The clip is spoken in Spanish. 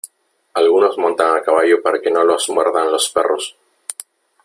Algunos montan a caballo para que no los muerdan los perros.